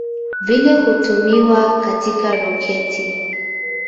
Vile hutumiwa katika roketi.